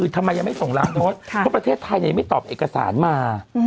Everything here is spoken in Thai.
ทำไมยังไม่ส่งล้านโดสเพราะประเทศไทยยังไม่ตอบเอกสารมา